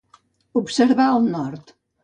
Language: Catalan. Observar el nord.